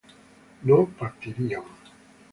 no partiríamos